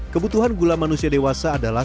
kebutuhan gula manusia dewasa adalah